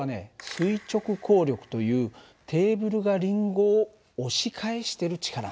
垂直抗力というテーブルがりんごを押し返してる力なんだ。